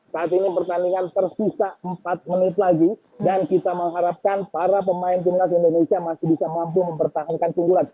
saat ini pertandingan tersisa empat menit lagi dan kita mengharapkan para pemain timnas indonesia masih bisa mampu mempertahankan keunggulan